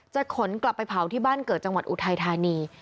ขนกลับไปเผาที่บ้านเกิดจังหวัดอุทัยธานี